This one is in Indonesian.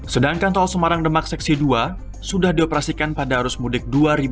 sedangkan tol semarang demak seksi dua sudah dioperasikan pada arus mudik dua ribu dua puluh